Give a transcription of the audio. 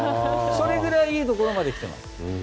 それぐらいいいところまで来ています。